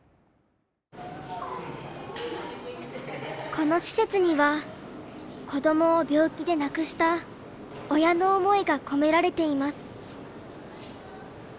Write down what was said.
この施設には子どもを病気で亡くした親の思いが込められています。